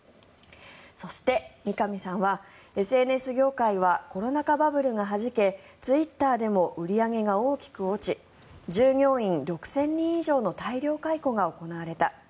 そして、三上さんはＳＮＳ業界はコロナ禍バブルがはじけツイッターでも売り上げが大きく落ち従業員６０００人以上の大量解雇が行われた。